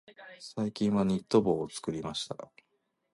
最近はニット帽を作りました。